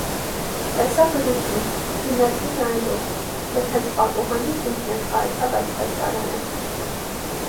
Տեսա գրություն, գնացի նայելու, և հենց պատուհանից ինձ ներկայացավ այս տեսարանը։